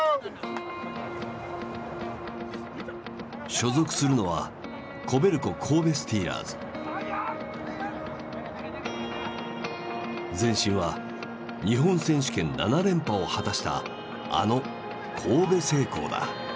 所属するのは前身は日本選手権７連覇を果たしたあの神戸製鋼だ。